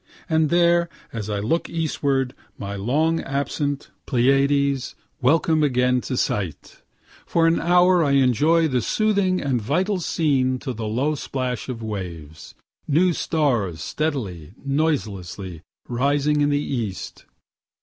And there, as I look eastward, my long absent Pleiades, welcome again to sight. For an hour I enjoy the soothing and vital scene to the low splash of waves new stars steadily, noiselessly rising in the east.